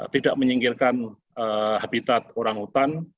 tidak menyingkirkan habitat orang hutan